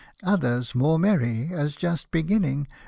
Others, more merry, as just beginning.